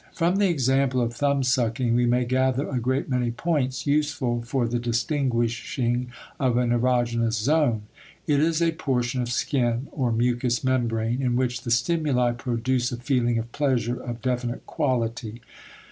* From the example of thumbsucking we may gather a great many points useful for the distinguishing of an erogenous zone. It is a portion of skin or mucous membrane in which the stimuli produce a feeling of pleasure of definite quality.